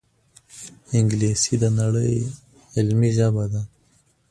انګلیسي د نړۍ علمي ژبه ده